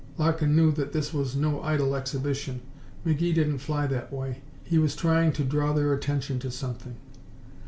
Larkin knew that this was no idle exhibition. McGee didn't fly that way. He was trying to draw their attention to something.